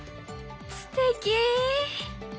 すてき！